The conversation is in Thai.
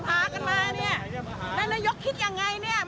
แล้วนายยกคิดอย่างไรเนี่ย